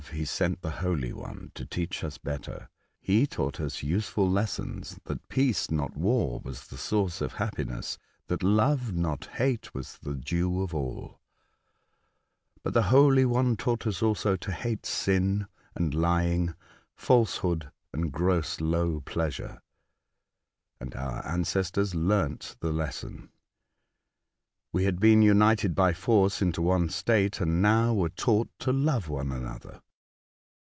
He sent the Holy One to teach us better. He taught us useful lessons, that peace, not war, was the source of happiness ; that love, not hate, was the due of all ; but the Holy One taught us also to hate sin, and lying, falsehood, and gross low pleasure. And our ancestors learnt the lesson. We had been united by force into one state, and now were taught to love one another.